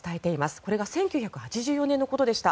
これが１９８４年のことでした。